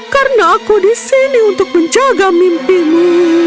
karena aku disini untuk menjaga mimpimu